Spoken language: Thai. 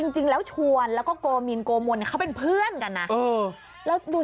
จริงแล้วชวนแล้วก็โกมินโกมนเขาเป็นเพื่อนกันนะ